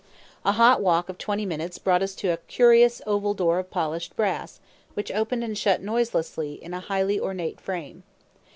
A hot walk of twenty minutes brought us to a curious oval door of polished brass, which opened and shut noiselessly in a highly ornate frame.